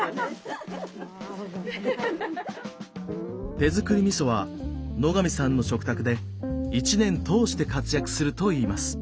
手造りみそは野上さんの食卓で一年通して活躍するといいます。